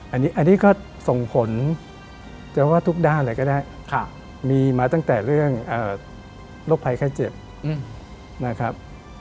อันนี้ก็ส่งผลจะว่าทุกด้านเลยก็ได้มีมาตั้งแต่เรื่องโรคภัยไข้เจ็บนะครับ